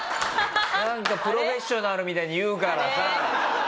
なんか『プロフェッショナル』みたいに言うからさ。